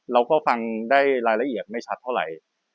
เราก็ฟังได้รายละเอียดไม่ชัดเท่าไหร่